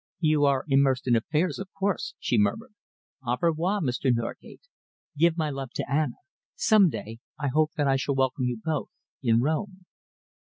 "You are immersed in affairs, of course," she murmured. "Au revoir, Mr. Norgate! Give my love to Anna. Some day I hope that I shall welcome you both in Rome."